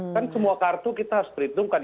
kan semua kartu kita harus perhitungkan